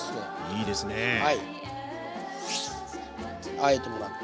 あえてもらって。